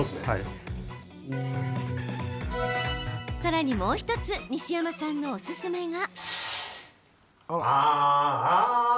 さらに、もう１つ西山さんのおすすめが。